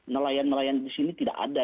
nelayan nelayan disini tidak ada